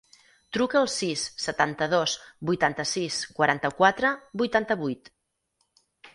Truca al sis, setanta-dos, vuitanta-sis, quaranta-quatre, vuitanta-vuit.